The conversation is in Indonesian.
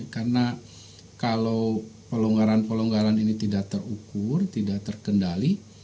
karena kalau pelonggaran pelonggaran ini tidak terukur tidak terkendali